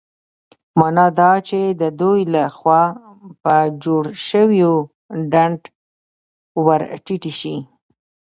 مانا دا چې د دوی له خوا په جوړ شوي ډنډ ورټيټې شي.